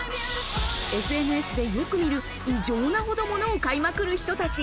ＳＮＳでよく見る異常なほど物をかいまくる人たち。